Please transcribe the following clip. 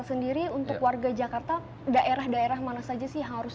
khusus untuk wilayah jakarta atau jabodetabek secara umum sama dengan wilayah jawa lainnya